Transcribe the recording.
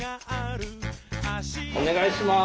お願いします。